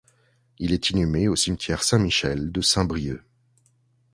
Il est inhumé au cimetière St-Michel de Saint-Brieuc.